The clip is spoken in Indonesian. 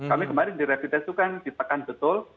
kami kemarin di repitasi itu kan ditekan betul